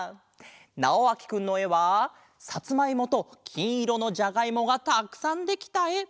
なおあきくんのえはさつまいもときんいろのじゃがいもがたくさんできたえ。